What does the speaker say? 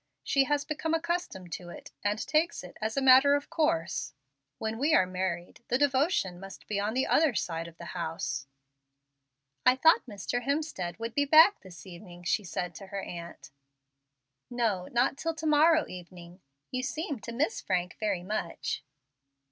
She has become accustomed to it, and takes it as a matter of course. When we are married, the devotion must be on the other side of the house." "I thought Mr. Hemstead would be back this evening?" she said to her aunt. "No, not till to morrow evening. You seem to miss Frank very much."